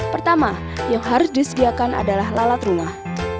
pertama yang harus disediakan adalah lalat rumah